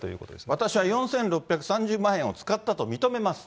私は４６３０万円を使ったと認めます。